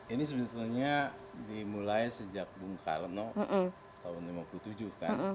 ini sebetulnya dimulai sejak bung karno tahun seribu sembilan ratus lima puluh tujuh kan